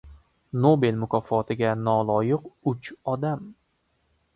Nobel mukofotiga noloyiq uch odam